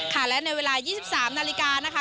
ค่ะและในเวลา๒๓นาฬิกานะคะ